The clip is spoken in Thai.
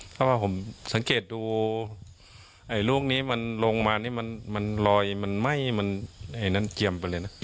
เพราะว่าผมสังเกตดูลูกนี้มันลงมานี่มันลอยมันไหม้มันไอ้นั้นเจียมไปเลยนะ